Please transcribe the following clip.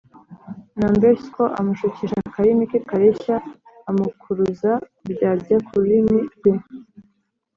numbersko amushukisha akarimi ke kareshya, amukuruza kuryarya k’ururimi rwe